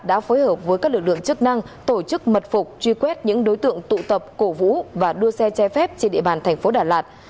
đã phối hợp với các lực lượng chức năng tổ chức mật phục truy quét những đối tượng tụ tập cổ vũ và đua xe trái phép trên địa bàn thành phố đà lạt